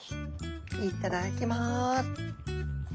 いっただっきます。